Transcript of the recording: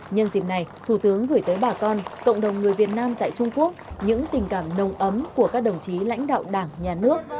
nhân dịp này thủ tướng gửi tới bà con cộng đồng người việt nam tại trung quốc những tình cảm nồng ấm của các đồng chí lãnh đạo đảng nhà nước